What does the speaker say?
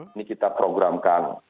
ini kita programkan